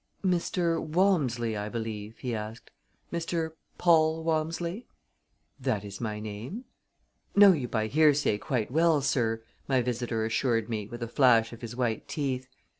"Mr. Walmsley, I believe?" he asked. "Mr. Paul Walmsley?" "That is my name." "Know you by hearsay quite well, sir," my visitor assured me, with a flash of his white teeth.